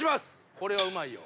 これはうまいよ。